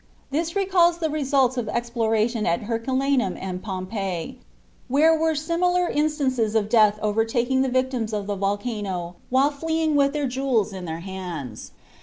This recalls the results of exploration at Herculaneum and Pompeii, where were similar instances of death overtaking the victims of the volcano while fleeing with their jewels in their hands.